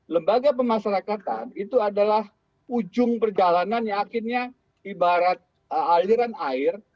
lembaga pemasarakatan itu adalah ujung perjalanan yang akhirnya ibarat aliran air